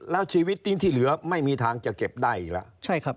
แล้วชีวิตที่เหลือไม่มีทางจะเก็บได้อีกแล้ว